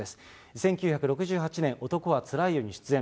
１９６８年、男はつらいよに出演。